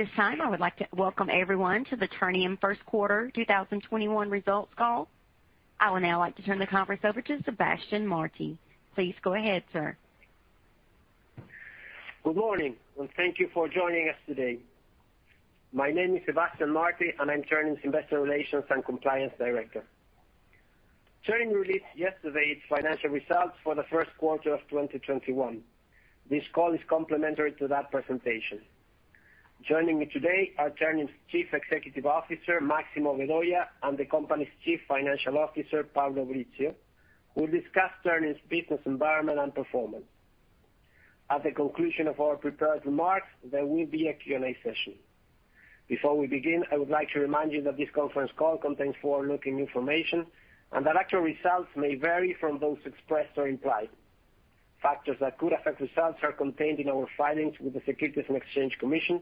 At this time, I would like to welcome everyone to the Ternium first quarter 2021 results call. I would now like to turn the conference over to Sebastián Martí. Please go ahead, sir. Good morning. Thank you for joining us today. My name is Sebastián Martí, and I'm Ternium's Investor Relations and Compliance Director. Ternium released yesterday its financial results for the first quarter of 2021. This call is complementary to that presentation. Joining me today are Ternium's Chief Executive Officer, Máximo Vedoya, and the company's Chief Financial Officer, Pablo Brizzio, who will discuss Ternium's business environment and performance. At the conclusion of our prepared remarks, there will be a Q&A session. Before we begin, I would like to remind you that this conference call contains forward-looking information and that actual results may vary from those expressed or implied. Factors that could affect results are contained in our filings with the Securities and Exchange Commission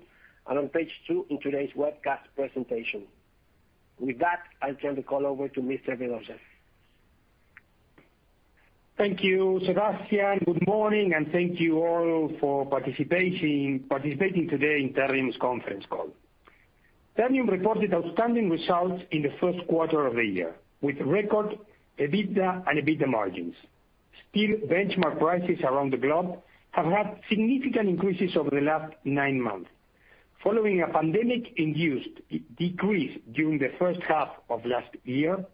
and on page two in today's webcast presentation. With that, I'll turn the call over to Mr. Vedoya. Thank you, Sebastián. Good morning, and thank you all for participating today in Ternium's conference call. Ternium reported outstanding results in the first quarter of the year, with record EBITDA and EBITDA margins. Steel benchmark prices around the globe have had significant increases over the last nine months. Following a pandemic-induced decrease during the first half of last year,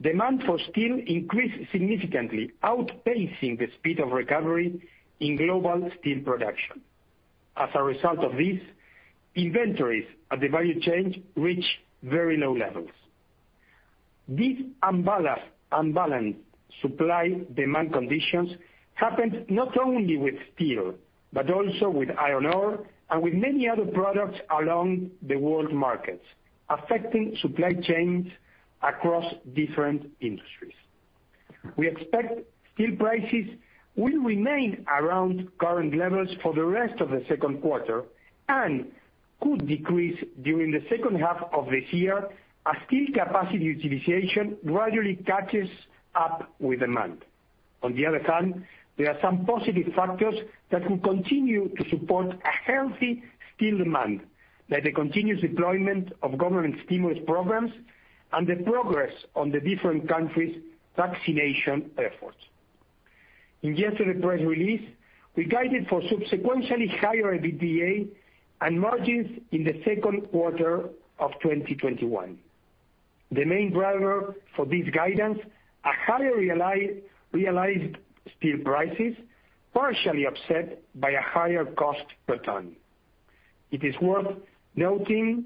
demand for steel increased significantly, outpacing the speed of recovery in global steel production. As a result of this, inventories at the value chain reach very low levels. These unbalanced supply-demand conditions happened not only with steel, but also with iron ore and with many other products along the world markets, affecting supply chains across different industries. We expect steel prices will remain around current levels for the rest of the second quarter and could decrease during the second half of this year as steel capacity utilization gradually catches up with demand. On the other hand, there are some positive factors that will continue to support a healthy steel demand, like the continuous deployment of government stimulus programs and the progress on the different countries' vaccination efforts. In yesterday's press release, we guided for subsequently higher EBITDA and margins in the second quarter of 2021. The main driver for this guidance are higher realized steel prices, partially offset by a higher cost per ton. It is worth noting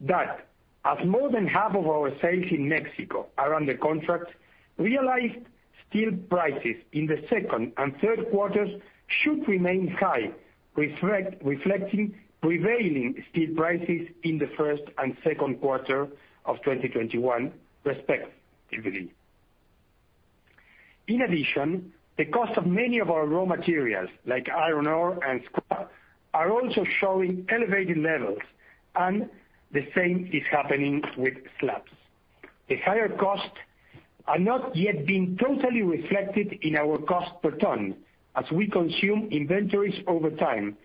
that as more than half of our sales in Mexico are under contract, realized steel prices in the second and third quarters should remain high, reflecting prevailing steel prices in the first and second quarter of 2021 respectively. In addition, the cost of many of our raw materials, like iron ore and scrap, are also showing elevated levels, and the same is happening with slabs. The higher costs are not yet being totally reflected in our cost per ton, as we consume inventories over time.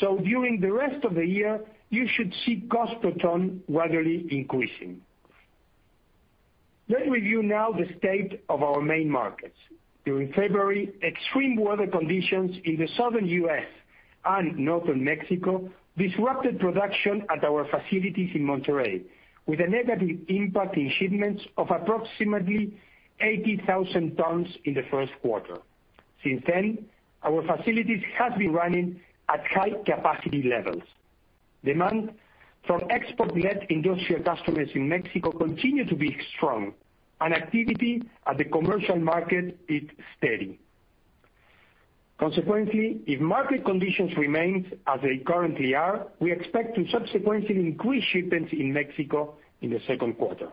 During the rest of the year, you should see cost per ton gradually increasing. Let's review now the state of our main markets. During February, extreme weather conditions in the Southern U.S. and Northern Mexico disrupted production at our facilities in Monterrey, with a negative impact in shipments of approximately 80,000 tons in the first quarter. Since then, our facilities have been running at high capacity levels. Demand from export-led industrial customers in Mexico continue to be strong, and activity at the commercial market is steady. Consequently, if market conditions remain as they currently are, we expect to subsequently increase shipments in Mexico in the second quarter.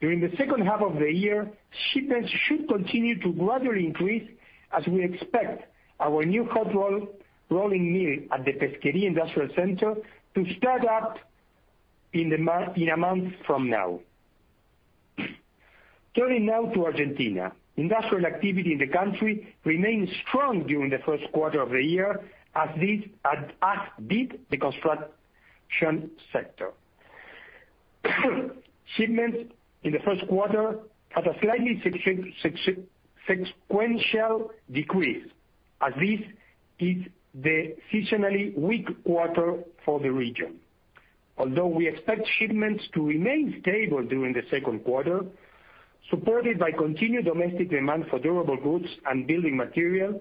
During the second half of the year, shipments should continue to gradually increase as we expect our new hot rolling mill at the Pesquería Industrial Center to start up in a month from now. Turning now to Argentina. Industrial activity in the country remained strong during the first quarter of the year, as did the construction sector. Shipments in the first quarter had a slightly sequential decrease as this is the seasonally weak quarter for the region. Although we expect shipments to remain stable during the second quarter, supported by continued domestic demand for durable goods and building material,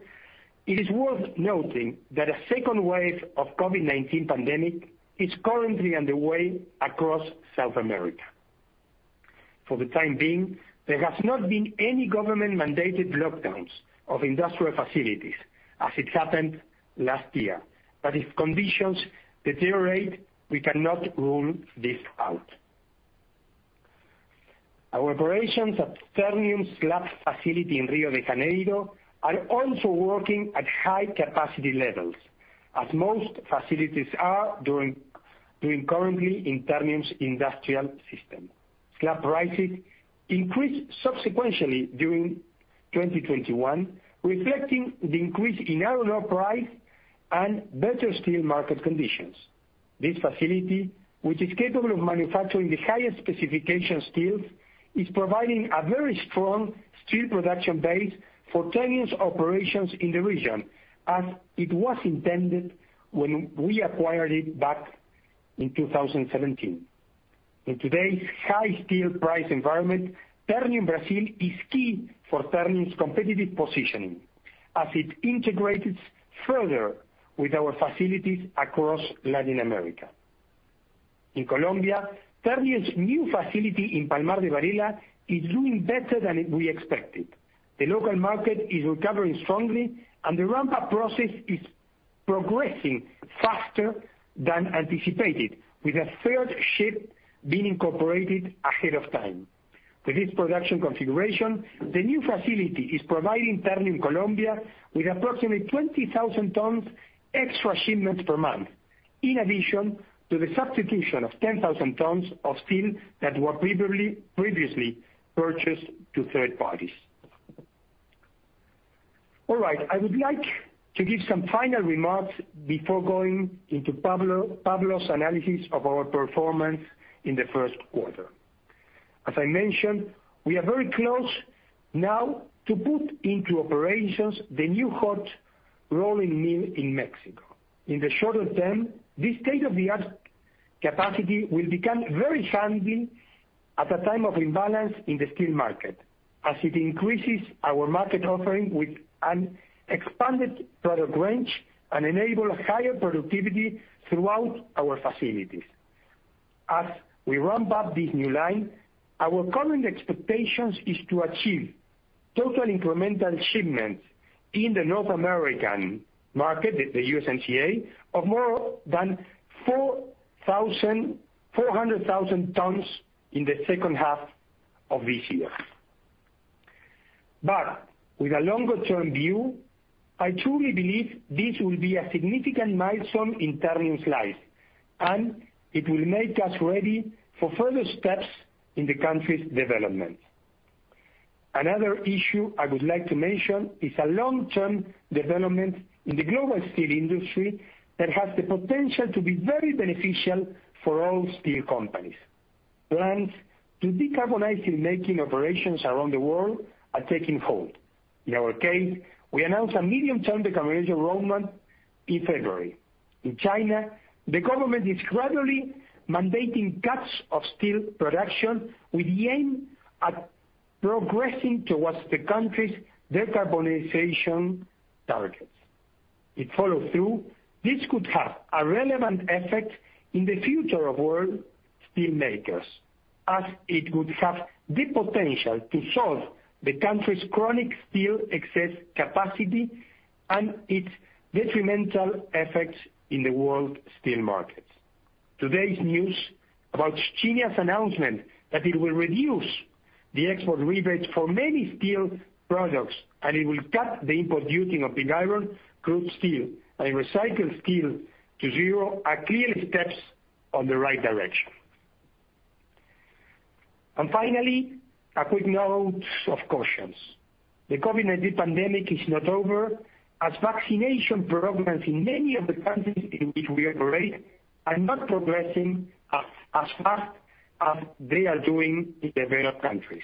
it is worth noting that a second wave of COVID-19 pandemic is currently on the way across South America. For the time being, there has not been any government-mandated lockdowns of industrial facilities as it happened last year. If conditions deteriorate, we cannot rule this out. Our operations at Ternium's slab facility in Rio de Janeiro are also working at high capacity levels, as most facilities are currently in Ternium's industrial system. Slab prices increased subsequently during 2021, reflecting the increase in iron ore price and better steel market conditions. This facility, which is capable of manufacturing the highest specification steels, is providing a very strong steel production base for Ternium's operations in the region, as it was intended when we acquired it back in 2017. In today's high steel price environment, Ternium Brasil is key for Ternium's competitive positioning, as it integrates further with our facilities across Latin America. In Colombia, Ternium's new facility in Palmar de Varela is doing better than we expected. The local market is recovering strongly, and the ramp-up process is progressing faster than anticipated, with a third shift being incorporated ahead of time. With this production configuration, the new facility is providing Ternium Colombia with approximately 20,000 tons extra shipments per month, in addition to the substitution of 10,000 tons of steel that were previously purchased to third parties. All right, I would like to give some final remarks before going into Pablo's analysis of our performance in the first quarter. As I mentioned, we are very close now to put into operations the new hot rolling mill in Mexico. In the shorter term, this state-of-the-art capacity will become very handy at a time of imbalance in the steel market, as it increases our market offering with an expanded product range and enable higher productivity throughout our facilities. As we ramp up this new line, our current expectation is to achieve total incremental shipments in the North American market, the U.S. and Canada, of more than 400,000 tons in the second half of this year. With a longer-term view, I truly believe this will be a significant milestone in Ternium's life, and it will make us ready for further steps in the country's development. Another issue I would like to mention is a long-term development in the global steel industry that has the potential to be very beneficial for all steel companies. Plans to decarbonize steelmaking operations around the world are taking hold. In our case, we announced a medium-term decarbonization roadmap in February. In China, the government is gradually mandating cuts of steel production with the aim at progressing towards the country's decarbonization targets. If followed through, this could have a relevant effect in the future of world steelmakers, as it would have the potential to solve the country's chronic steel excess capacity and its detrimental effects in the world steel markets. Today's news about China's announcement that it will reduce the export rebates for many steel products, and it will cut the import duty of pig iron, crude steel, and recycled steel to zero are clear steps on the right direction. Finally, a quick note of caution. The COVID-19 pandemic is not over, as vaccination programs in many of the countries in which we operate are not progressing as fast as they are doing in developed countries.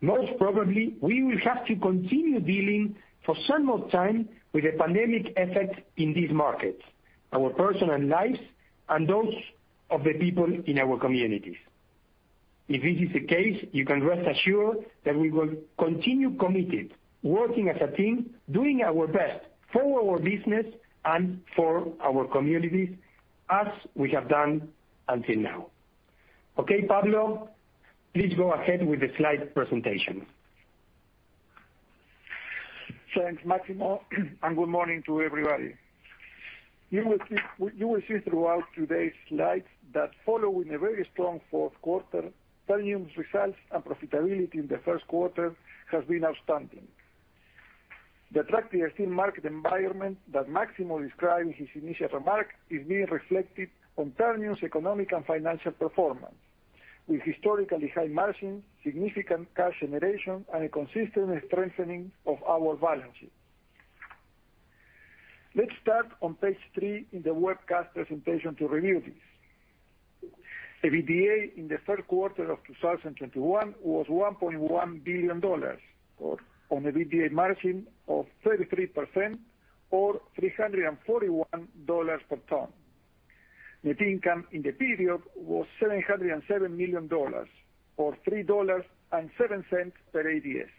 Most probably, we will have to continue dealing for some more time with the pandemic effect in these markets, our personal lives, and those of the people in our communities. If this is the case, you can rest assured that we will continue committed, working as a team, doing our best for our business and for our communities, as we have done until now. Okay, Pablo, please go ahead with the slide presentation. Thanks, Máximo, and good morning to everybody. You will see throughout today's slides that following a very strong fourth quarter, Ternium's results and profitability in the first quarter has been outstanding. The attractive steel market environment that Máximo described in his initial remarks is being reflected on Ternium's economic and financial performance, with historically high margin, significant cash generation, and a consistent strengthening of our balance sheet. Let's start on page three in the webcast presentation to review this. EBITDA in the first quarter of 2021 was $1.1 billion, or on the EBITDA margin of 33%, or $341 per ton. Net income in the period was $707 million, or $0.037 per ADS.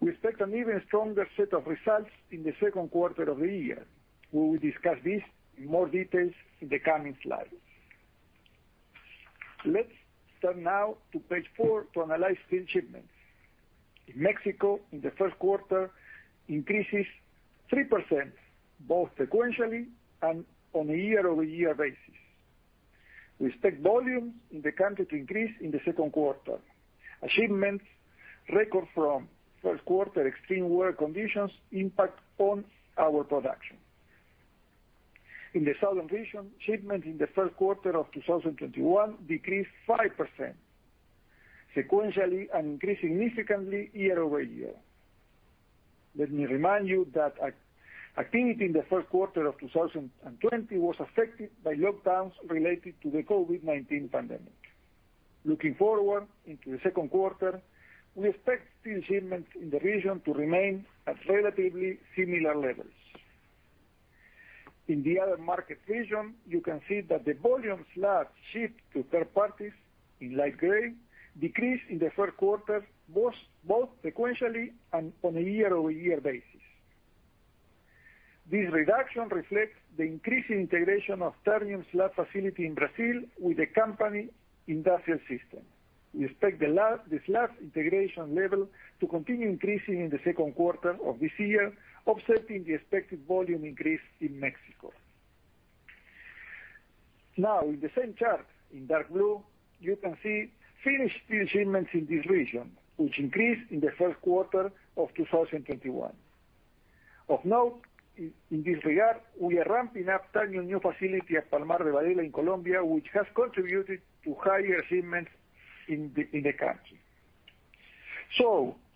We expect an even stronger set of results in the second quarter of the year. We will discuss this in more details in the coming slides. Let's turn now to page four to analyze steel shipments. In Mexico, in the first quarter, increases 3%, both sequentially and on a year-over-year basis. We expect volume in the country to increase in the second quarter. Shipments record from first quarter extreme weather conditions impact on our production. In the Southern Region, shipments in the first quarter of 2021 decreased 5% sequentially and increased significantly year-over-year. Let me remind you that activity in the first quarter of 2020 was affected by lockdowns related to the COVID-19 pandemic. Looking forward into the second quarter, we expect steel shipments in the region to remain at relatively similar levels. In the other market region, you can see that the volume slab shipped to third parties, in light gray, decreased in the first quarter, both sequentially and on a year-over-year basis. This reduction reflects the increasing integration of Ternium's slab facility in Brazil with the company industrial system. We expect this slab integration level to continue increasing in the second quarter of this year, offsetting the expected volume increase in Mexico. In the same chart, in dark blue, you can see finished steel shipments in this region, which increased in the first quarter of 2021. Of note, in this regard, we are ramping up Ternium new facility at Palmar de Varela in Colombia, which has contributed to higher shipments in the country.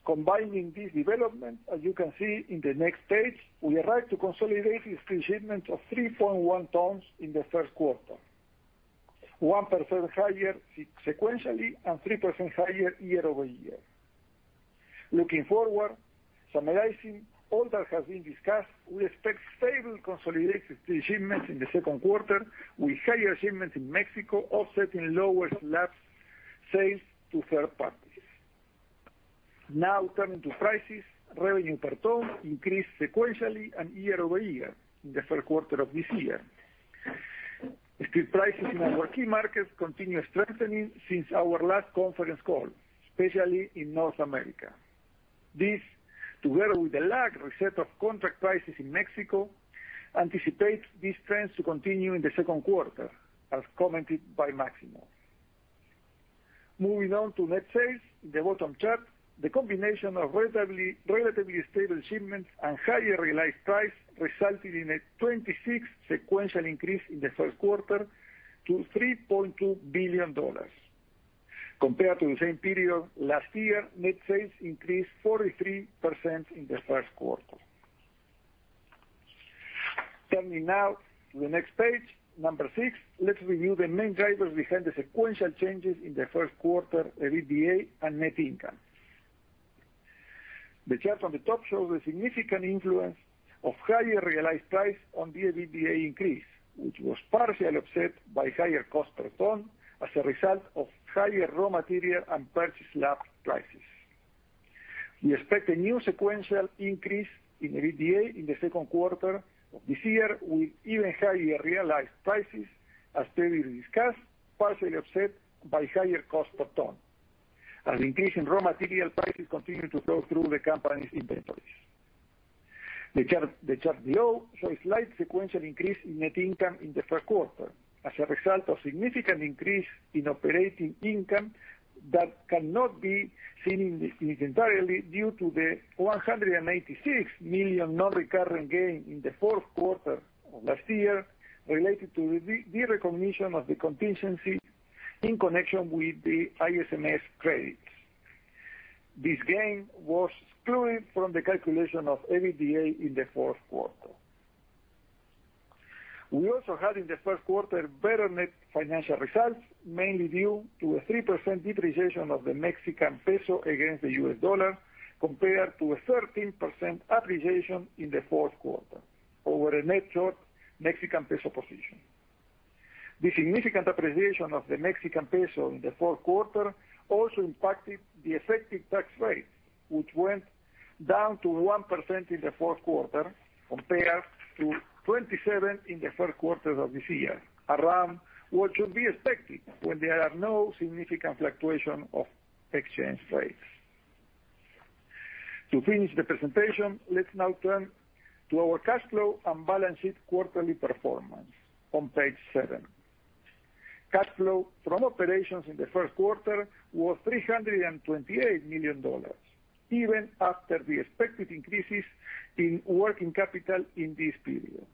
Combining these developments, as you can see in the next page, we arrived to consolidated steel shipments of 3.1 tons in the first quarter, 1% higher sequentially and 3% higher year-over-year. Looking forward, summarizing all that has been discussed, we expect stable consolidated steel shipments in the second quarter, with higher shipments in Mexico offsetting lower slab sales to third parties. Now turning to prices, revenue per ton increased sequentially and year-over-year in the first quarter of this year. Steel prices in our key markets continue strengthening since our last conference call, especially in North America. This, together with the lagged reset of contract prices in Mexico, anticipate this trend to continue in the second quarter, as commented by Máximo. Moving on to net sales, the bottom chart, the combination of relatively stable shipments and higher realized price resulted in a 26% sequential increase in the first quarter to $3.2 billion. Compared to the same period last year, net sales increased 43% in the first quarter. Turning now to the next page, number six, let's review the main drivers behind the sequential changes in the first quarter EBITDA and net income. The chart on the top shows the significant influence of higher realized price on the EBITDA increase, which was partially offset by higher cost per ton as a result of higher raw material and purchased slab prices. We expect a new sequential increase in EBITDA in the second quarter of this year, with even higher realized prices as previously discussed, partially offset by higher cost per ton. As increase in raw material prices continue to flow through the company's inventories. The chart below shows slight sequential increase in net income in the first quarter as a result of significant increase in operating income that cannot be seen entirely due to the $186 million non-recurring gain in the fourth quarter of last year, related to the derecognition of the contingencies in connection with the ISMS credits. This gain was excluded from the calculation of EBITDA in the fourth quarter. We also had in the first quarter better net financial results, mainly due to a 3% depreciation of the Mexican peso against the U.S dollar, compared to a 13% appreciation in the fourth quarter over a net short Mexican peso position. The significant appreciation of the Mexican peso in the fourth quarter also impacted the effective tax rate, which went down to 1% in the fourth quarter, compared to 27 in the first quarter of this year, around what should be expected when there are no significant fluctuation of exchange rates. To finish the presentation, let's now turn to our cash flow and balance sheet quarterly performance on page seven. Cash flow from operations in the first quarter was $328 million, even after the expected increases in working capital in this period.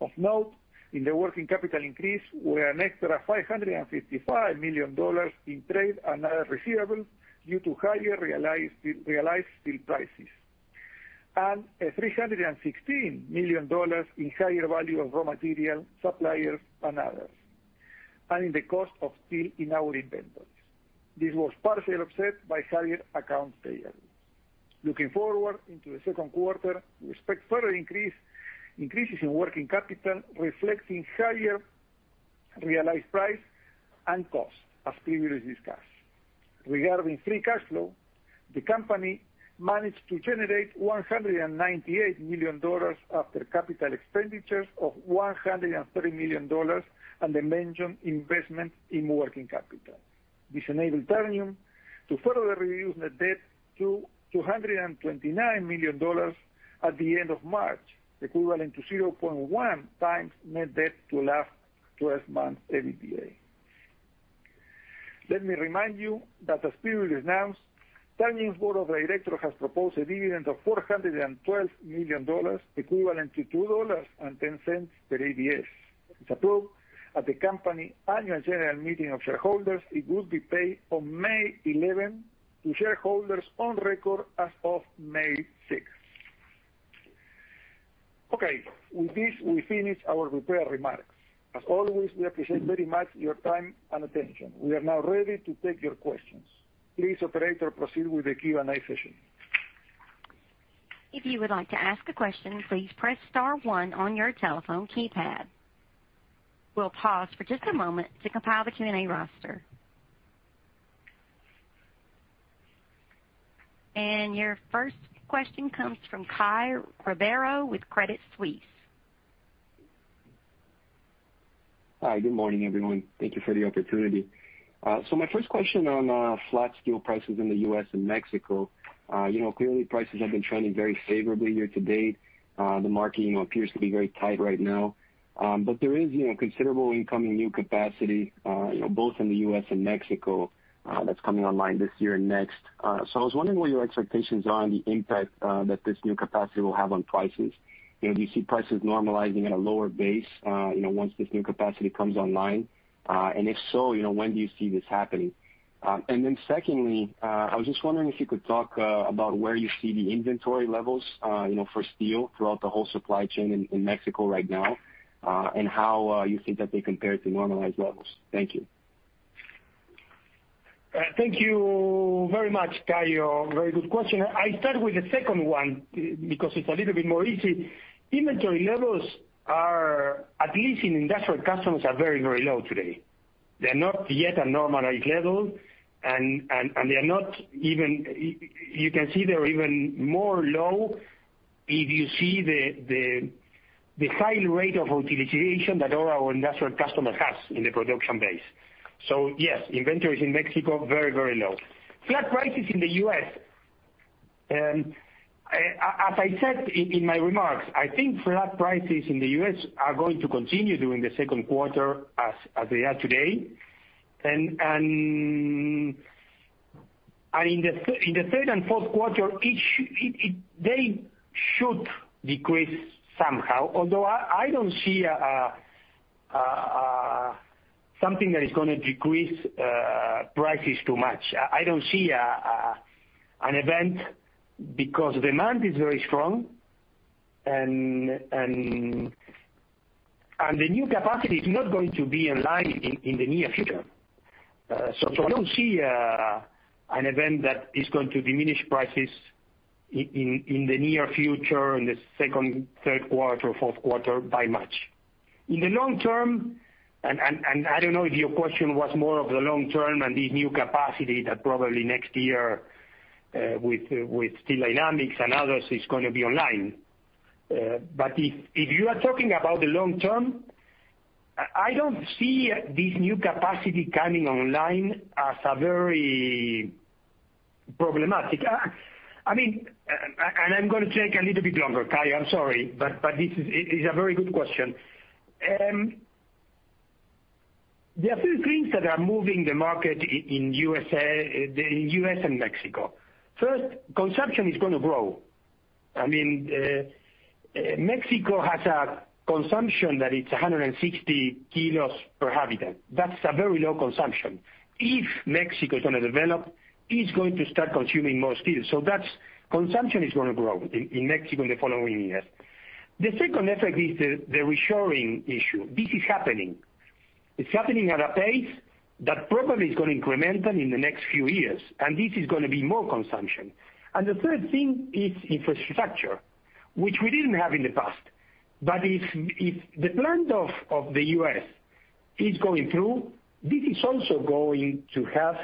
Of note, in the working capital increase were an extra $555 million in trade and other receivables due to higher realized steel prices, and a $316 million in higher value of raw material, suppliers, and others, and in the cost of steel in our inventories. This was partially offset by higher accounts payable. Looking forward into the second quarter, we expect further increases in working capital reflecting higher realized price and cost, as previously discussed. Regarding free cash flow, the company managed to generate $198 million after capital expenditures of $130 million and the mentioned investment in working capital. This enabled Ternium to further reduce net debt to $229 million at the end of March, equivalent to 0.1x net debt to last 12 months EBITDA. Let me remind you that as previously announced, Ternium's board of director has proposed a dividend of $412 million, equivalent to $2.10 per ADS. If approved at the company annual general meeting of shareholders, it will be paid on May 11 to shareholders on record as of May 6. Okay. With this, we finish our prepared remarks. As always, we appreciate very much your time and attention. We are now ready to take your questions. Please, operator, proceed with the Q&A session. If you would like to ask a question, please press star one on your telephone keypad. We'll pause for just a moment to compile the Q&A roster. Your first question comes from Caio Ribeiro with Credit Suisse. Hi, good morning, everyone. Thank you for the opportunity. My first question on flat steel prices in the U.S. and Mexico. Clearly prices have been trending very favorably year to date. The market appears to be very tight right now. There is considerable incoming new capacity, both in the U.S. and Mexico, that's coming online this year and next. I was wondering what your expectations are on the impact that this new capacity will have on prices. Do you see prices normalizing at a lower base once this new capacity comes online? If so, when do you see this happening? Secondly, I was just wondering if you could talk about where you see the inventory levels for steel throughout the whole supply chain in Mexico right now. How you think that they compare to normalized levels. Thank you. Thank you very much, Caio. Very good question. I start with the second one because it's a little bit more easy. Inventory levels, at least in industrial customers, are very low today. They're not yet at normalized level, you can see they're even lower if you see the high rate of utilization that all our industrial customer has in the production base. Yes, inventory in Mexico, very low. Flat prices in the U.S. As I said in my remarks, I think flat prices in the U.S. are going to continue during the second quarter as they are today. In the third and fourth quarter, they should decrease somehow, although I don't see something that is going to decrease prices too much. I don't see an event because demand is very strong, the new capacity is not going to be online in the near future. I don't see an event that is going to diminish prices in the near future, in the second, third quarter, fourth quarter by much. In the long term, and I don't know if your question was more of the long term and the new capacity that probably next year, with Steel Dynamics and others is going to be online. If you are talking about the long term, I don't see this new capacity coming online as very problematic. I'm going to take a little bit longer, Caio, I'm sorry, but this is a very good question. There are three things that are moving the market in U.S. and Mexico. First, consumption is going to grow. Mexico has a consumption that it's 160 kilos per habitant. That's a very low consumption. If Mexico is going to develop, it's going to start consuming more steel. Consumption is going to grow in Mexico in the following years. The second effect is the reshoring issue. This is happening. It's happening at a pace that probably is going to increment in the next few years, and this is going to be more consumption. The third thing is infrastructure, which we didn't have in the past. If the plan of the U.S. is going through, this is also going to have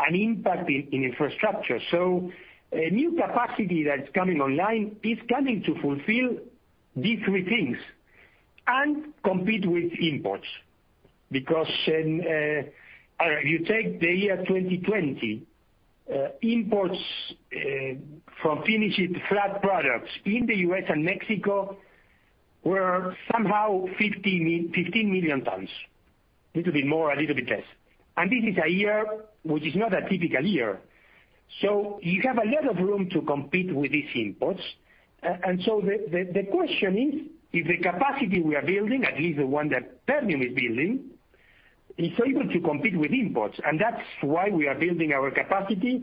an impact in infrastructure. A new capacity that's coming online is coming to fulfill these three things and compete with imports. Because you take the year 2020, imports from finished flat products in the U.S. and Mexico were somehow 15 million tons, a little bit more, a little bit less. This is a year which is not a typical year. You have a lot of room to compete with these imports. The question is if the capacity we are building, at least the one that Ternium is building, is able to compete with imports. That's why we are building our capacity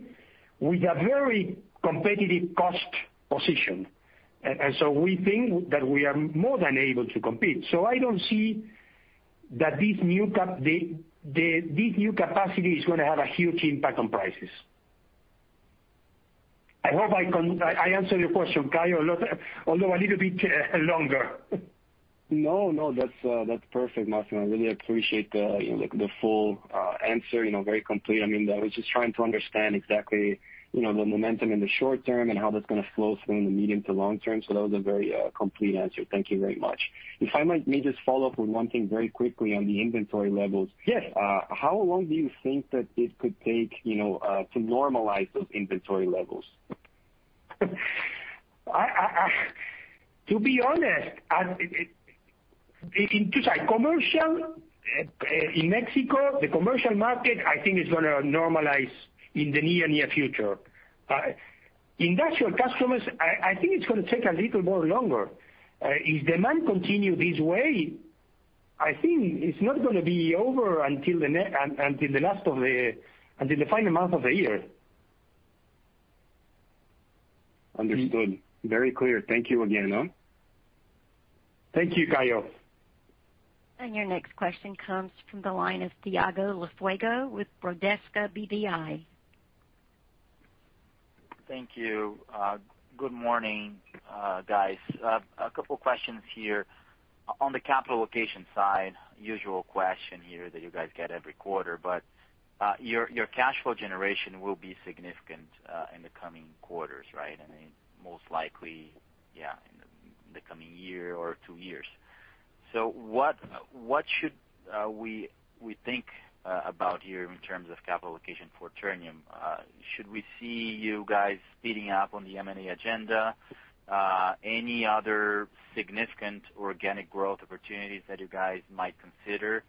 with a very competitive cost position. We think that we are more than able to compete. I don't see that this new capacity is going to have a huge impact on prices. I hope I answered your question, Caio, although a little bit longer. No, that's perfect, Máximo. I really appreciate the full answer, very complete. I was just trying to understand exactly the momentum in the short term and how that's going to flow through in the medium to long term. That was a very complete answer. Thank you very much. If I may just follow up with one thing very quickly on the inventory levels. Yes. How long do you think that this could take to normalize those inventory levels? To be honest, commercial in Mexico, the commercial market, I think it's going to normalize in the near future. Industrial customers, I think it's going to take a little more longer. If demand continue this way, I think it's not going to be over until the final month of the year. Understood. Very clear. Thank you again. Thank you, Caio. Your next question comes from the line of Thiago Lofiego with Bradesco BBI. Thank you. Good morning, guys. A couple questions here. On the capital location side, usual question here that you guys get every quarter, but your cash flow generation will be significant in the coming quarters, right? I mean, most likely in the coming year or two years. What should we think about here in terms of capital location for Ternium? Should we see you guys speeding up on the M&A agenda? Any other significant organic growth opportunities that you guys might consider?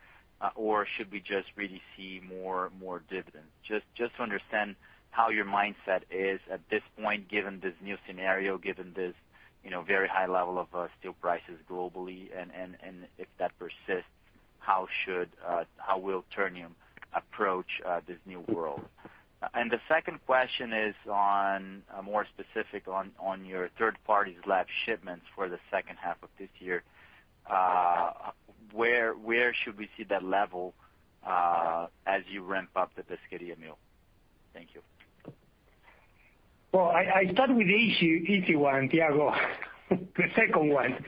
Should we just really see more dividends? Just to understand how your mindset is at this point, given this new scenario, given this very high level of steel prices globally, and if that persists, how will Ternium approach this new world? The second question is more specific on your third parties slab shipments for the second half of this year. Where should we see that level as you ramp up the Pesqueria mill? Thank you. Well, I start with the easy one, Thiago. The second one.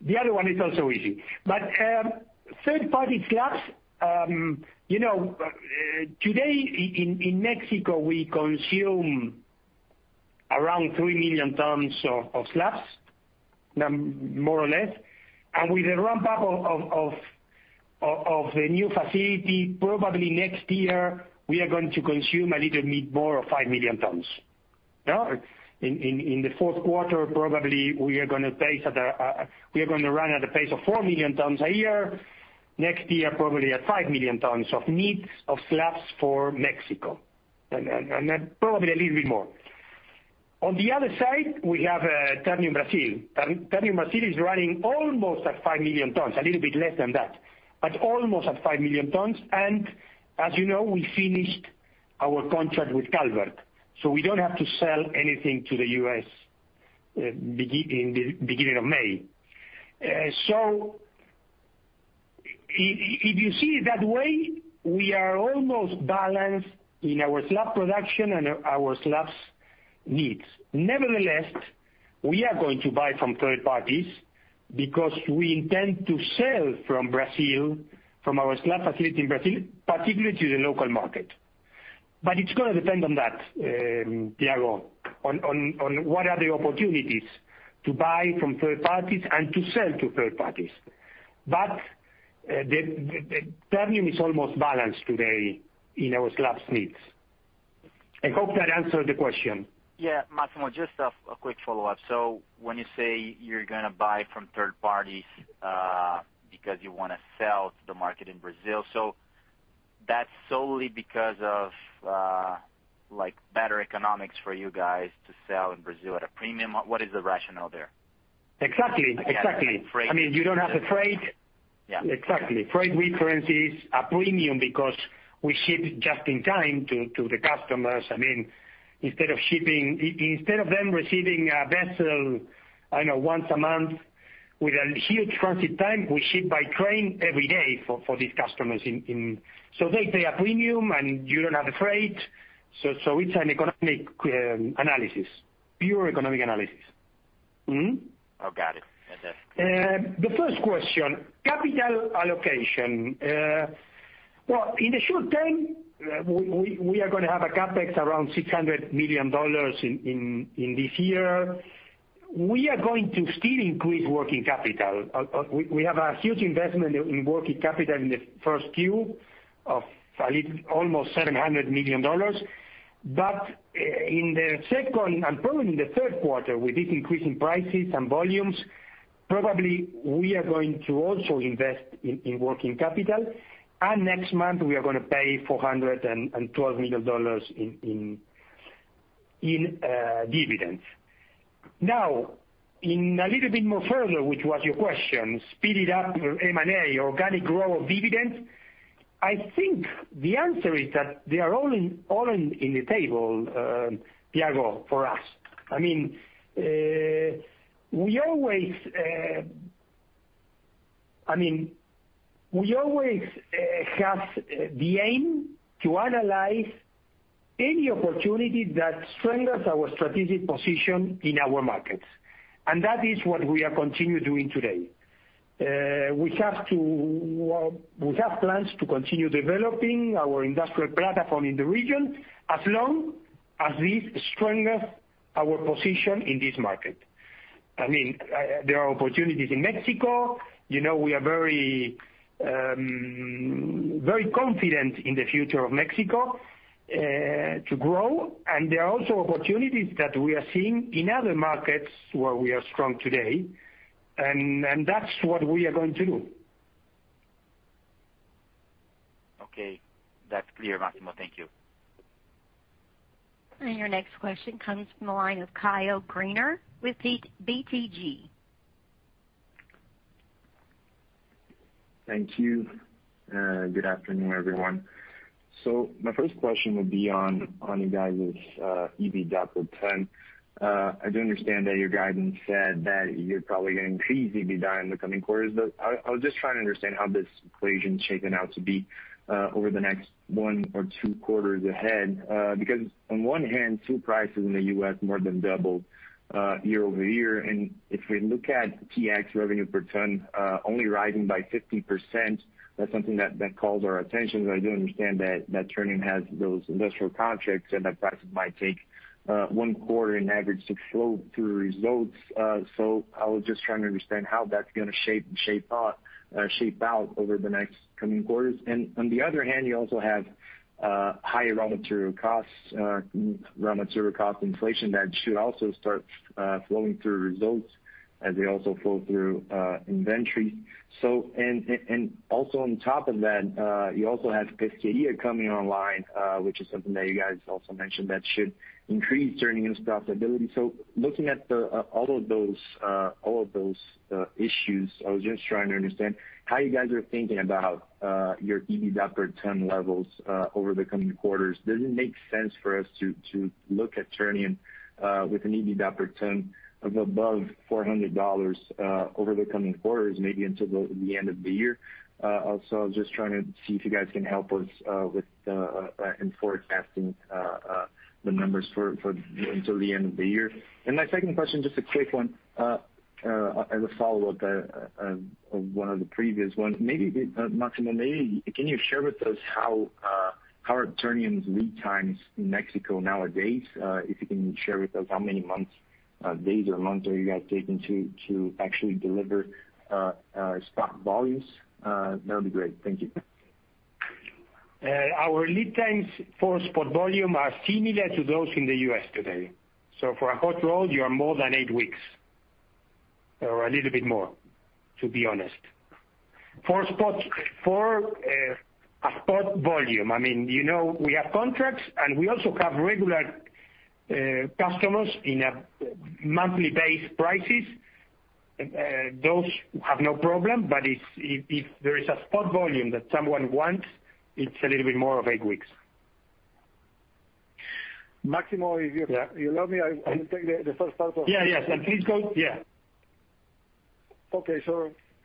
The other one is also easy. Third party slabs, today in Mexico, we consume around 3 million tons of slabs, more or less. With the ramp up of the new facility, probably next year, we are going to consume a little bit more of 5 million tons. In the fourth quarter, probably we are going to run at a pace of 4 million tons a year. Next year, probably at 5 million tons of needs of slabs for Mexico, then probably a little bit more. On the other side, we have Ternium Brasil. Ternium Brasil is running almost at 5 million tons, a little bit less than that, but almost at 5 million tons. As you know, we finished our contract with Calvert. We don't have to sell anything to the U.S. in the beginning of May. If you see it that way, we are almost balanced in our slab production and our slabs needs. Nevertheless, we are going to buy from third parties because we intend to sell from Brazil, from our slab facility in Brazil, particularly to the local market. It's going to depend on that, Thiago, on what are the opportunities to buy from third parties and to sell to third parties. Ternium is almost balanced today in our slabs needs. I hope that answered the question. Yeah. Máximo, just a quick follow-up. When you say you're going to buy from third parties because you want to sell to the market in Brazil, so that's solely because of better economics for you guys to sell in Brazil at a premium? What is the rationale there? Exactly. Again, the freight- You don't have the freight. Yeah. Exactly. Freight recurrencies, a premium because we ship just in time to the customers. Instead of them receiving a vessel once a month with a huge transit time, we ship by train every day for these customers. They pay a premium, and you don't have the freight. It's an economic analysis, pure economic analysis. Oh, got it. The first question, capital allocation. Well, in the short term, we are going to have a CapEx around $600 million in this year. We are going to still increase working capital. We have a huge investment in working capital in the first Q of almost $700 million. In the second, and probably in the third quarter, with this increase in prices and volumes, probably we are going to also invest in working capital. Next month, we are going to pay $412 million in dividends. Now, in a little bit more further, which was your question, speed it up for M&A, organic growth of dividends. I think the answer is that they are all in the table, Thiago, for us. We always have the aim to analyze any opportunity that strengthens our strategic position in our markets. That is what we are continue doing today. We have plans to continue developing our industrial platform in the region as long as this strengthens our position in this market. I mean, there are opportunities in Mexico. We are very confident in the future of Mexico to grow, and there are also opportunities that we are seeing in other markets where we are strong today, and that's what we are going to do. Okay. That's clear, Máximo. Thank you. Your next question comes from the line of Caio Greiner with BTG. Thank you. Good afternoon, everyone. My first question would be on you guys' EBITDA per ton. I do understand that your guidance said that you're probably going to increase EBITDA in the coming quarters, I was just trying to understand how this equation is shaping out to be over the next one or two quarters ahead. On one hand, steel prices in the U.S. more than doubled year-over-year, and if we look at Ternium revenue per ton only rising by 50%, that's something that calls our attention. I do understand that Ternium has those industrial contracts and that prices might take one quarter on average to flow through results. I was just trying to understand how that's going to shape out over the next coming quarters. On the other hand, you also have higher raw material costs, raw material cost inflation that should also start flowing through results as they also flow through inventory. Also on top of that, you also have Pesquería coming online, which is something that you guys also mentioned that should increase Ternium's profitability. Looking at all of those issues, I was just trying to understand how you guys are thinking about your EBITDA per ton levels over the coming quarters. Does it make sense for us to look at Ternium with an EBITDA per ton of above $400 over the coming quarters, maybe until the end of the year? I was just trying to see if you guys can help us in forecasting the numbers until the end of the year. My second question, just a quick one, as a follow-up of one of the previous ones. Maybe, Máximo, can you share with us how are Ternium's lead times in Mexico nowadays? If you can share with us how many days or months are you guys taking to actually deliver spot volumes, that would be great. Thank you. Our lead times for spot volume are similar to those in the U.S. today. For a hot roll, you are more than eight weeks or a little bit more, to be honest. For a spot volume, we have contracts, and we also have regular customers in a monthly base prices. Those have no problem, but if there is a spot volume that someone wants, it's a little bit more of eight weeks. Máximo, if you allow me, I will take the first part. Yeah. Okay.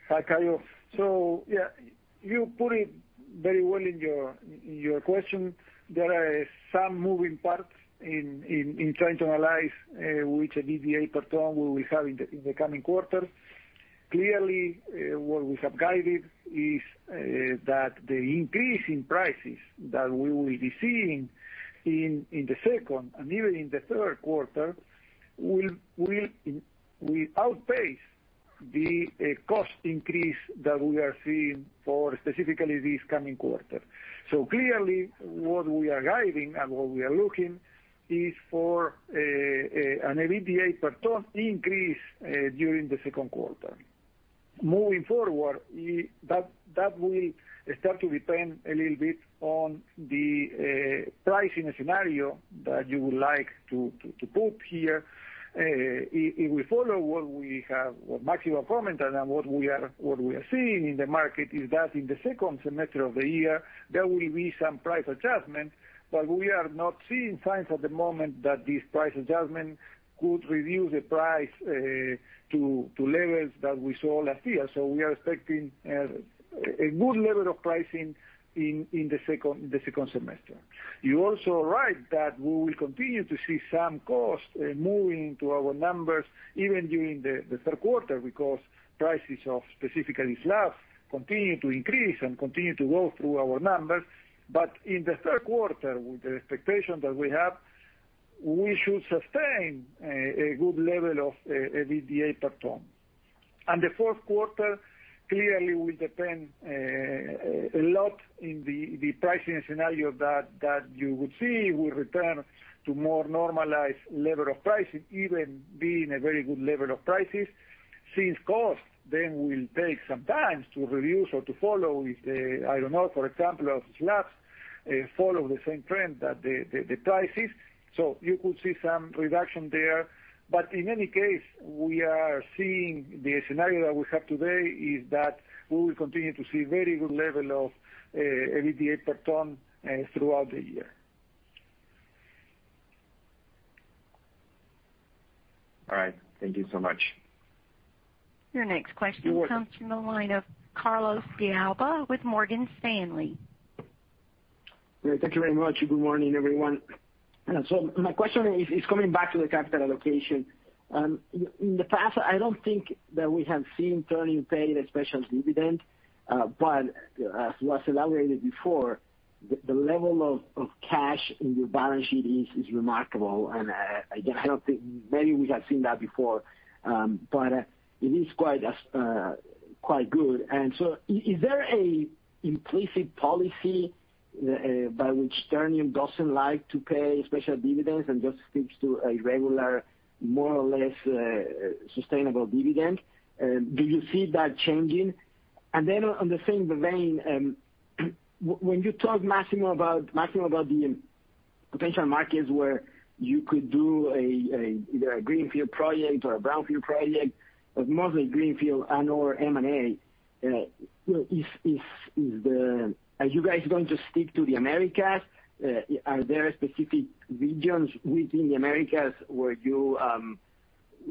Hi, Caio. You put it very well in your question. There are some moving parts in trying to analyze which EBITDA per ton we will have in the coming quarter. Clearly, what we have guided is that the increase in prices that we will be seeing in the second and even in the third quarter will outpace the cost increase that we are seeing for specifically this coming quarter. Clearly, what we are guiding and what we are looking is for an EBITDA per ton increase during the second quarter. Moving forward, that will start to depend a little bit on the pricing scenario that you would like to put here. If we follow what Máximo commented and what we are seeing in the market is that in the second semester of the year, there will be some price adjustment, but we are not seeing signs at the moment that this price adjustment could reduce the price to levels that we saw last year. We are expecting a good level of pricing in the second semester. You're also right that we will continue to see some cost moving to our numbers even during the third quarter because prices of specifically slabs continue to increase and continue to go through our numbers. In the third quarter, with the expectation that we have, we should sustain a good level of EBITDA per ton. The fourth quarter clearly will depend a lot in the pricing scenario that you would see will return to more normalized level of pricing, even being a very good level of pricing. Cost then will take some time to reduce or to follow if the, I don't know, for example, of slabs follow the same trend that the price is. You could see some reduction there. In any case, we are seeing the scenario that we have today is that we will continue to see very good level of EBITDA per ton throughout the year. All right. Thank you so much. Your next question comes from the line of Carlos De Alba with Morgan Stanley. Thank you very much. Good morning, everyone. My question is coming back to the capital allocation. In the past, I don't think that we have seen Ternium pay a special dividend. As was elaborated before, the level of cash in your balance sheet is remarkable. Again, I don't think maybe we have seen that before, but it is quite good. Is there an implicit policy by which Ternium doesn't like to pay special dividends and just sticks to a regular, more or less sustainable dividend? Do you see that changing? On the same vein, when you talk, Máximo, about the potential markets where you could do either a greenfield project or a brownfield project, but mostly greenfield and/or M&A. Are you guys going to stick to the Americas? Are there specific regions within the Americas where you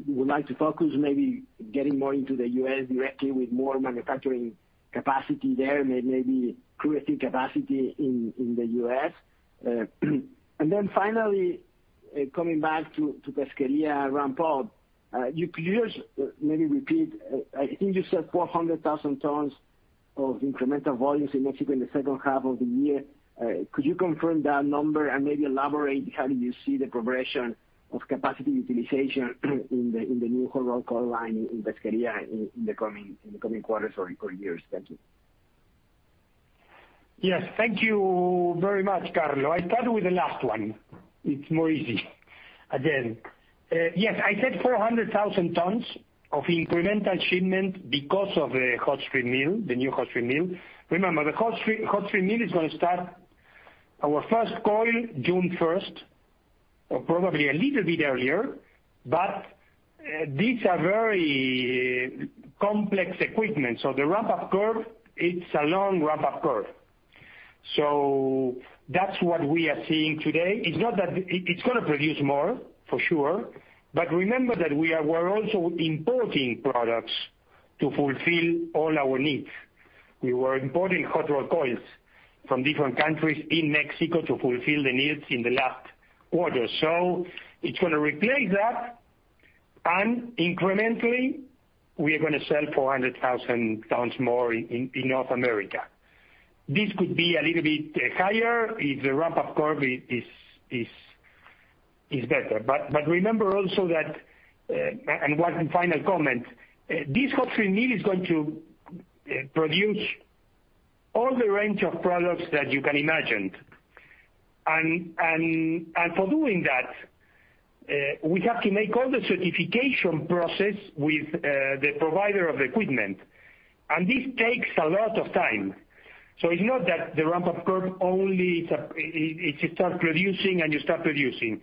would like to focus, maybe getting more into the U.S. directly with more manufacturing capacity there, maybe creating capacity in the U.S.? Finally, coming back to Pesquería ramp up. Could you maybe repeat, I think you said 400,000 tons of incremental volumes in Mexico in the second half of the year. Could you confirm that number and maybe elaborate how do you see the progression of capacity utilization in the new hot rolled coil line in Pesquería in the coming quarters or years? Thank you. Yes. Thank you very much, Carlos. I'll start with the last one. It's more easy. Again, yes, I said 400,000 tons of incremental shipment because of the new hot strip mill. Remember, the hot strip mill is going to start our first coil June 1st, or probably a little bit earlier, but these are very complex equipment. The ramp-up curve, it's a long ramp-up curve. That's what we are seeing today. It's going to produce more, for sure. Remember that we were also importing products to fulfill all our needs. We were importing hot rolled coils from different countries in Mexico to fulfill the needs in the last quarter. It's going to replace that, and incrementally, we are going to sell 400,000 tons more in North America. This could be a little bit higher if the ramp-up curve is better. Remember also that, and one final comment, this hot strip mill is going to produce all the range of products that you can imagine. For doing that, we have to make all the certification process with the provider of the equipment. This takes a lot of time. It's not that the ramp-up curve only, it starts producing and you start producing.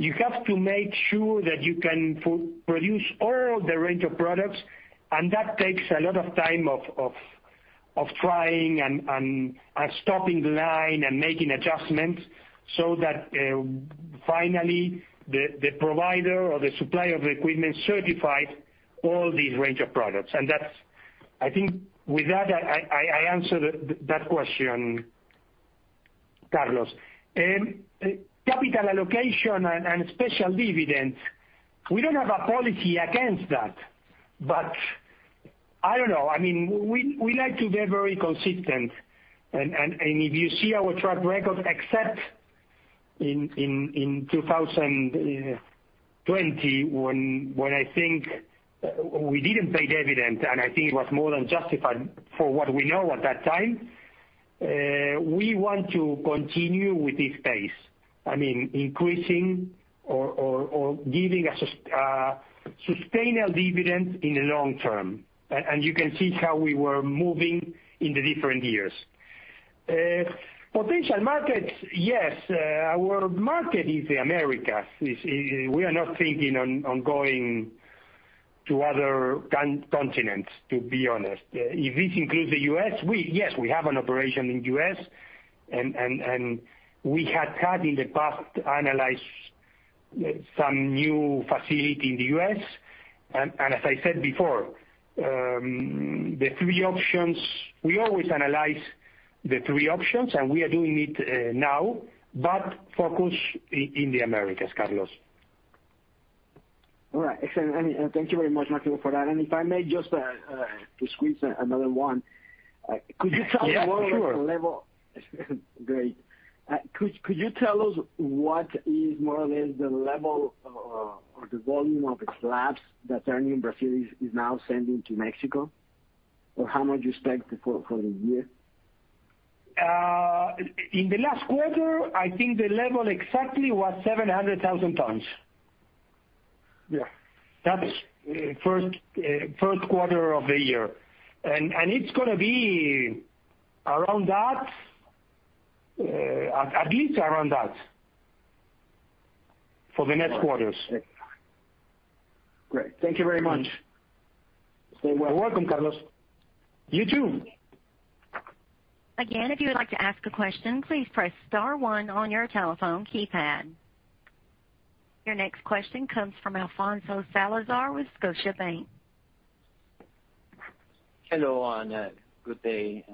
You have to make sure that you can produce all the range of products, and that takes a lot of time of trying and stopping the line and making adjustments so that finally the provider or the supplier of the equipment certifies all these range of products. I think with that, I answered that question, Carlos. Capital allocation and special dividends. We don't have a policy against that. I don't know. We like to be very consistent. If you see our track record, except in 2020 when I think we didn't pay dividend, and I think it was more than justified for what we know at that time. We want to continue with this pace, increasing or giving a sustainable dividend in the long term. You can see how we were moving in the different years. Potential markets, yes. Our market is the Americas. We are not thinking on going to other continents, to be honest. If this includes the U.S., yes, we have an operation in the U.S., and we had in the past analyzed some new facility in the U.S. As I said before, the three options, we always analyze the three options, and we are doing it now, but focused in the Americas, Carlos. All right. Excellent. Thank you very much, Máximo, for that. If I may just to squeeze another one. Yeah, sure. Great. Could you tell us what is more or less the level or the volume of the slabs that Ternium Brasil is now sending to Mexico? How much you expect for the year? In the last quarter, I think the level exactly was 700,000 tons. Yeah. That's first quarter of the year. It's going to be at least around that for the next quarters. Great. Thank you very much. Stay well. You're welcome, Carlos. You, too. Again, if you would like to ask a question, please press star one on your telephone keypad. Your next question comes from Alfonso Salazar with Scotiabank. Hello, and good day,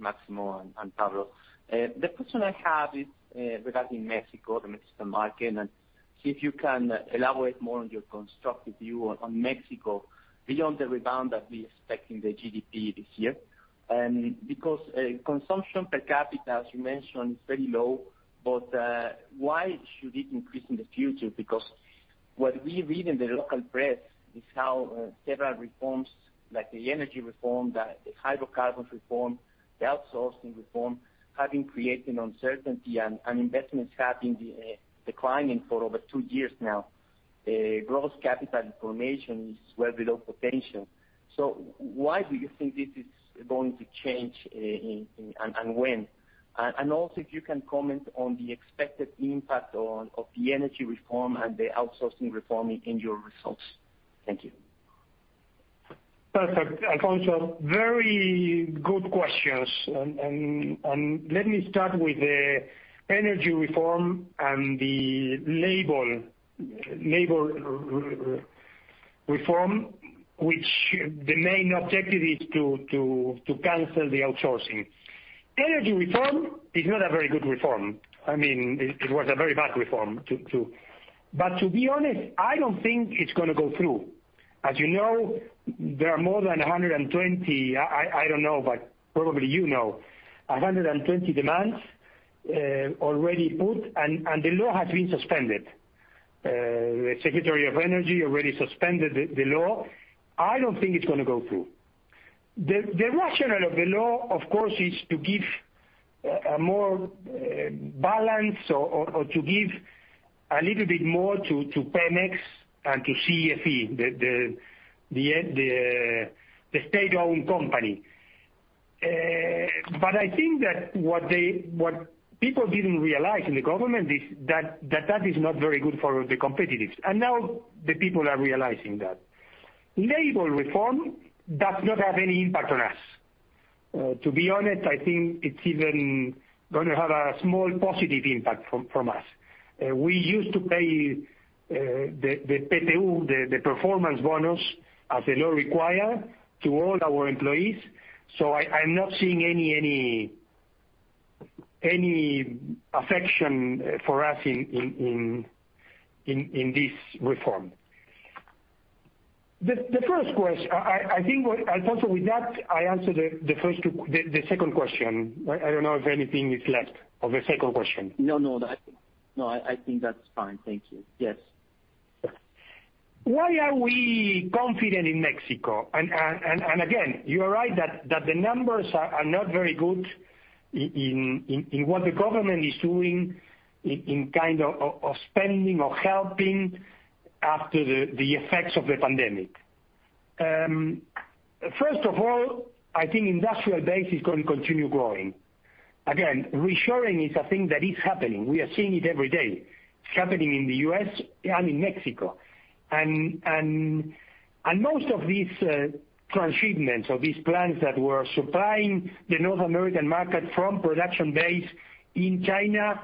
Máximo and Pablo. The question I have is regarding Mexico, the Mexican market, and if you can elaborate more on your constructive view on Mexico beyond the rebound that we expect in the GDP this year. Consumption per capita, as you mentioned, is very low, but why should it increase in the future? What we read in the local press is how several reforms, like the energy reform, the hydrocarbons reform, the outsourcing reform, have been creating uncertainty, and investments have been declining for over two years now. Gross capital formation is well below potential. Why do you think this is going to change, and when? Also, if you can comment on the expected impact of the energy reform and the outsourcing reform in your results. Thank you. Perfect. Alfonso, very good questions. Let me start with the Energy Reform and the Labor Reform, which the main objective is to cancel the outsourcing. Energy Reform is not a very good reform. It was a very bad reform. To be honest, I don't think it's going to go through. As you know, there are more than 120, I don't know, but probably you know, 120 demands already put, and the law has been suspended. The Secretariat of Energy already suspended the law. I don't think it's going to go through. The rationale of the law, of course, is to give more balance or to give a little bit more to Pemex and to CFE, the state-owned company. I think that what people didn't realize in the government is that that is not very good for the competitors, and now the people are realizing that. Labor reform does not have any impact on us. To be honest, I think it's even going to have a small positive impact for us. We used to pay the PTU, the performance bonus, as the law requires, to all our employees. I'm not seeing any effect for us in this reform. Alfonso, with that, I answered the second question. I don't know if anything is left of the second question. No, I think that's fine. Thank you. Yes. Why are we confident in Mexico? Again, you are right that the numbers are not very good in what the government is doing in spending or helping after the effects of the pandemic. First of all, I think industrial base is going to continue growing. Again, reshoring is a thing that is happening. We are seeing it every day. It's happening in the U.S. and in Mexico. Most of these transshipments or these plants that were supplying the North American market from production base in China,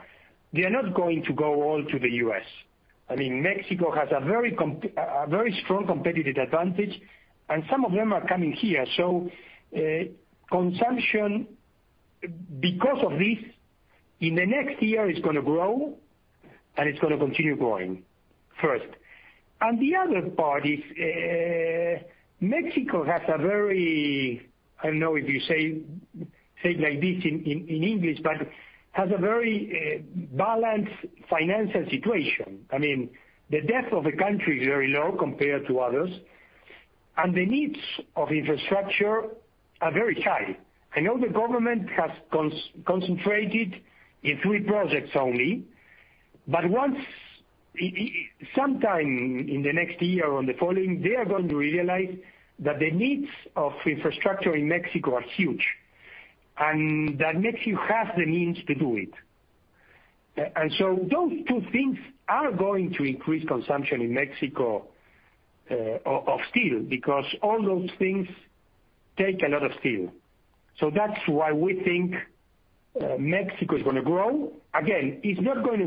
they're not going to go all to the U.S. Mexico has a very strong competitive advantage, and some of them are coming here. Consumption, because of this, in the next year is going to grow, and it's going to continue growing, first. The other part is, Mexico has a very, I don't know if you say it like this in English, but has a very balanced financial situation. The debt of the country is very low compared to others, and the needs of infrastructure are very high. I know the government has concentrated in three projects only, but sometime in the next year or the following, they are going to realize that the needs of infrastructure in Mexico are huge, and that Mexico has the means to do it. Those two things are going to increase consumption in Mexico of steel, because all those things take a lot of steel. That's why we think Mexico is going to grow. Again, it's not going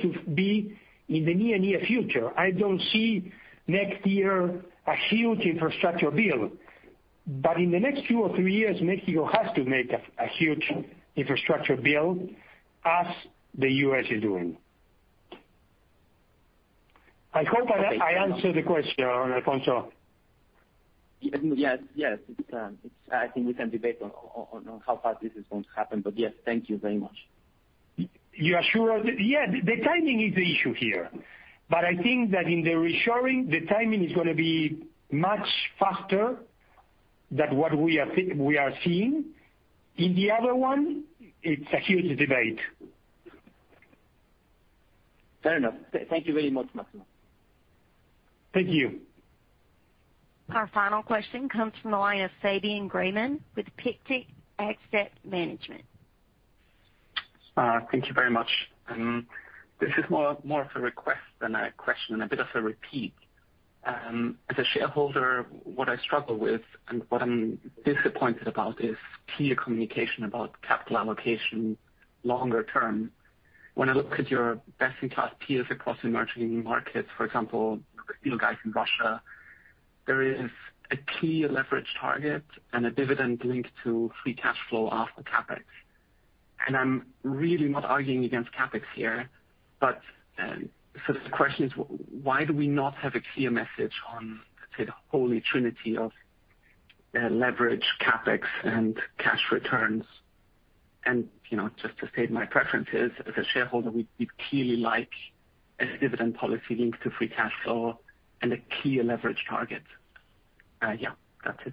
to be in the near future. I don't see next year a huge infrastructure build. In the next two or three years, Mexico has to make a huge infrastructure build as the U.S. is doing. I hope I answered the question, Alfonso. Yes. I think we can debate on how fast this is going to happen. Yes, thank you very much. You assure us. Yeah, the timing is the issue here. I think that in the reshoring, the timing is going to be much faster than what we are seeing. In the other one, it's a huge debate. Fair enough. Thank you very much, Máximo. Thank you. Our final question comes from the line of Fabian Graimann with Pictet Asset Management. Thank you very much. This is more of a request than a question, and a bit of a repeat. As a shareholder, what I struggle with and what I'm disappointed about is clear communication about capital allocation longer term. When I look at your best-in-class peers across emerging markets, for example, ArcelorMittal guys in Russia, there is a clear leverage target and a dividend linked to free cash flow after CapEx. I'm really not arguing against CapEx here, but the question is, why do we not have a clear message on, say, the holy trinity of leverage, CapEx, and cash returns? Just to state my preferences as a shareholder, we'd clearly like a dividend policy linked to free cash flow and a clear leverage target. Yeah, that's it.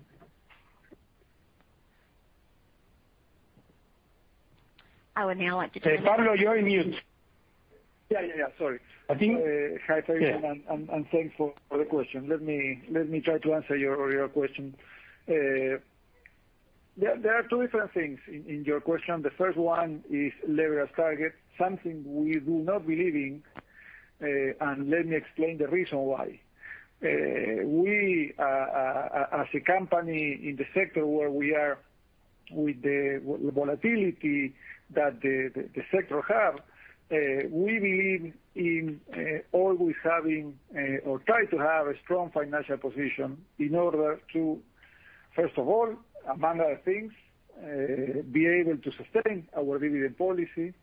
I would now like to- Hey, Pablo, you're on mute. Yeah. Sorry. I think- Hi, Fabian. Thanks for the question. Let me try to answer your question. There are two different things in your question. The first one is leverage target, something we do not believe in. Let me explain the reason why. We, as a company in the sector where we are with the volatility that the sector has, we believe in always having or try to have a strong financial position in order to, first of all, among other things, be able to sustain our dividend policy.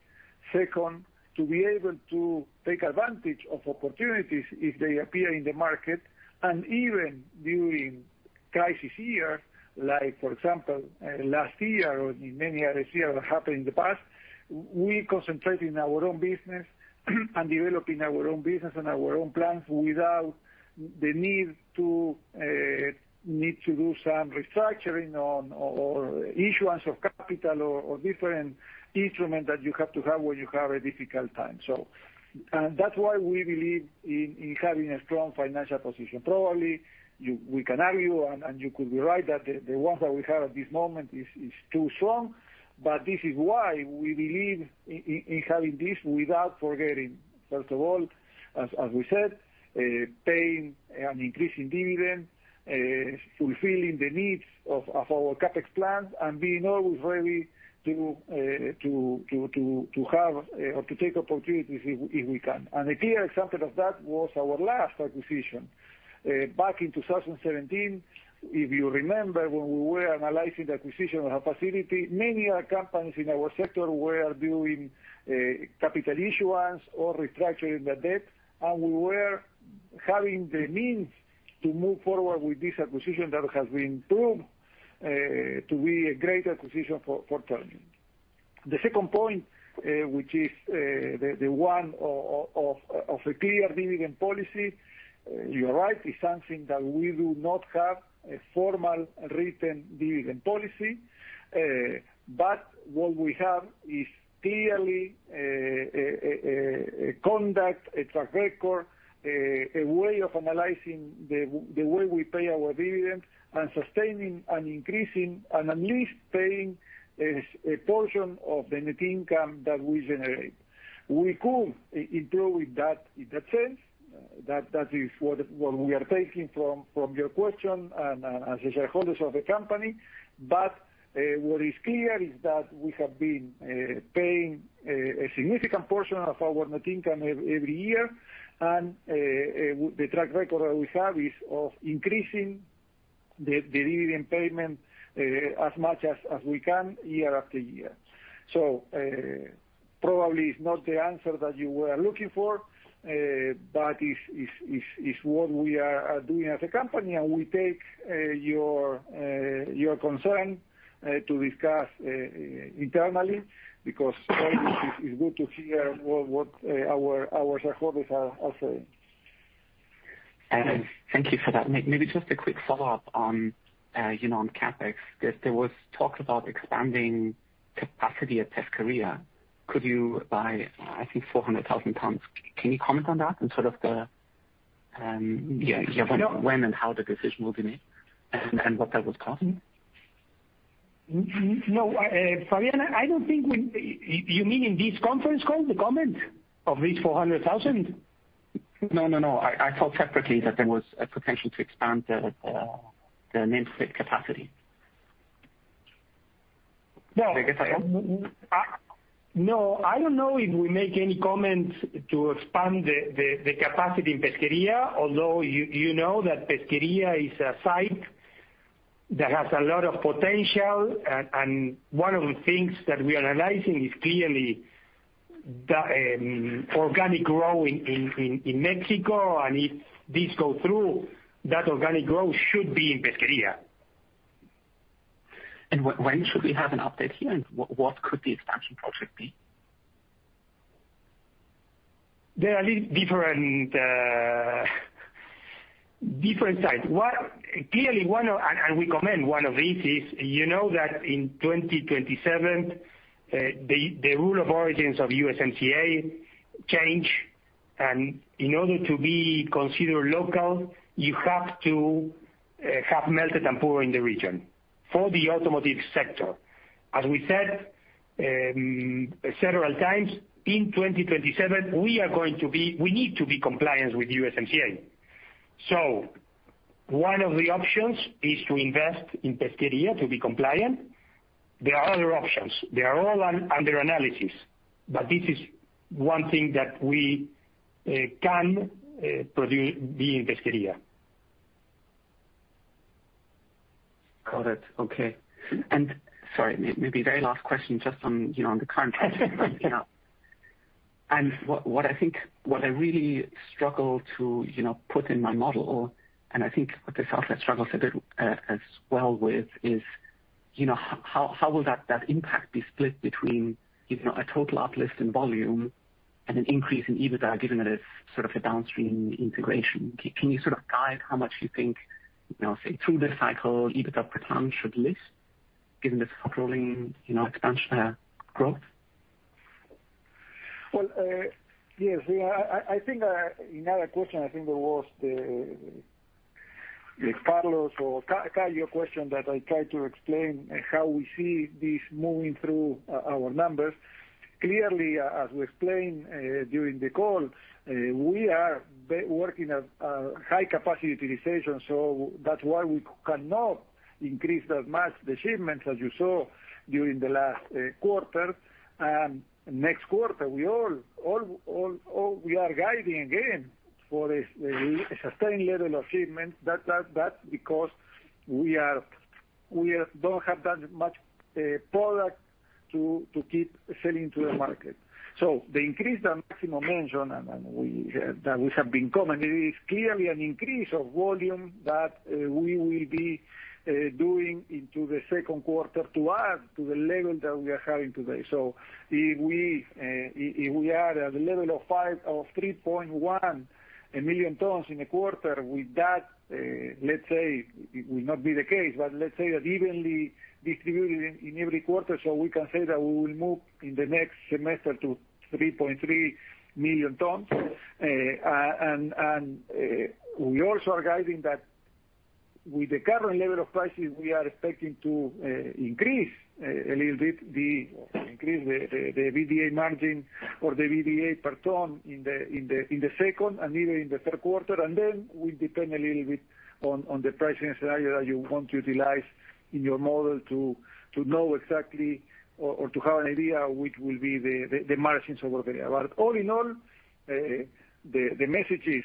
Second, to be able to take advantage of opportunities if they appear in the market. Even during crisis years, like for example, last year or in many other years that happened in the past, we concentrate in our own business and developing our own business and our own plans without the need to do some restructuring or issuance of capital or different instrument that you have to have when you have a difficult time. That's why we believe in having a strong financial position. Probably, we can argue, and you could be right, that the ones that we have at this moment is too strong, but this is why we believe in having this without forgetting, first of all, as we said, paying an increasing dividend, fulfilling the needs of our CapEx plans, and being always ready to have or to take opportunities if we can. A clear example of that was our last acquisition. Back in 2017, if you remember, when we were analyzing the acquisition of our facility, many other companies in our sector were doing capital issuance or restructuring their debt, and we were having the means to move forward with this acquisition that has been proved to be a great acquisition for Ternium. The second point, which is the one of a clear dividend policy. You're right, it's something that we do not have a formal written dividend policy. What we have is clearly a conduct, a track record, a way of analyzing the way we pay our dividends, and sustaining and increasing, and at least paying a portion of the net income that we generate. We could improve in that sense. That is what we are taking from your question and as the shareholders of the company. What is clear is that we have been paying a significant portion of our net income every year, and the track record that we have is of increasing the dividend payment, as much as we can year after year. Probably is not the answer that you were looking for, but it's what we are doing as a company, and we take your concern to discuss internally, because always it's good to hear what our shareholders are saying. Thank you for that. Maybe just a quick follow-up on CapEx. There was talk about expanding capacity at Pesquería. Could you buy, I think, 400,000 tons? Can you comment on that and sort of the? Yeah. When and how the decision will be made and what that would cost? No, Fabian, I don't think You mean in this conference call, the comment of this $400,000? No. I thought separately that there was a potential to expand the nameplate capacity. No. Is that guess right? No, I don't know if we make any comments to expand the capacity in Pesquería. Although you know that Pesquería is a site that has a lot of potential. One of the things that we are analyzing is clearly the organic growth in Mexico. If this go through, that organic growth should be in Pesquería. When should we have an update here, and what could the expansion project be? There are different sides. Clearly, we comment one of this is, you know that in 2027, the rule of origins of USMCA change, and in order to be considered local, you have to have melted and poured in the region for the automotive sector. As we said several times, in 2027, we need to be compliant with USMCA. One of the options is to invest in Pesqueria to be compliant. There are other options. They are all under analysis. This is one thing that we can produce in Pesqueria. Got it. Okay. Sorry, maybe very last question just on what I really struggle to put in my model, and I think what the software struggles a bit as well with is, how will that impact be split between a total uplift in volume and an increase in EBITDA, given that it's a downstream integration. Can you guide how much you think, say through this cycle, EBITDA per ton should lift given this controlling expansion growth? Yes. I think in another question, I think there was the Carlos or Caio question that I tried to explain how we see this moving through our numbers. Clearly, as we explained during the call, we are working at a high capacity utilization, so that's why we cannot increase that much the shipments as you saw during the last quarter. Next quarter, we are guiding again for a sustained level of shipments. That's because we don't have that much product to keep selling to the market. The increase that Máximo mentioned, and that we have been commenting, it is clearly an increase of volume that we will be doing into the second quarter to add to the level that we are having today. If we are at a level of 3.1 million tons in a quarter with that, let's say it will not be the case, but let's say that evenly distributed in every quarter, we can say that we will move in the next semester to 3.3 million tons. We also are guiding that with the current level of prices, we are expecting to increase a little bit the EBITDA margin or the EBITDA per ton in the second and even in the third quarter. Will depend a little bit on the pricing scenario that you want to utilize in your model to know exactly or to have an idea which will be the margins over the year. All in all, the message is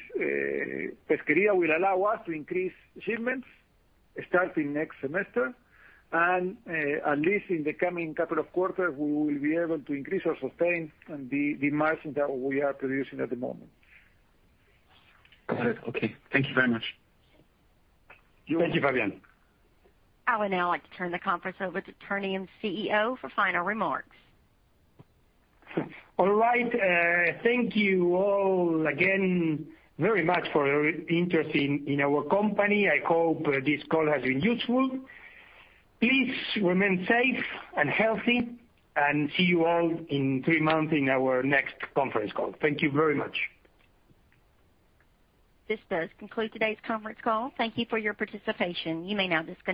Pesqueria will allow us to increase shipments starting next semester. At least in the coming couple of quarters, we will be able to increase or sustain the margin that we are producing at the moment. Got it. Okay. Thank you very much. Thank you, Fabian. I would now like to turn the conference over to Ternium's CEO for final remarks. All right. Thank you all again very much for your interest in our company. I hope this call has been useful. Please remain safe and healthy, and see you all in three months in our next conference call. Thank you very much. This does conclude today's conference call. Thank you for your participation. You may now disconnect.